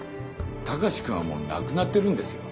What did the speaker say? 隆君はもう亡くなってるんですよ？